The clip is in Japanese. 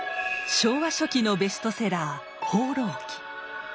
昭和初期のベストセラー「放浪記」。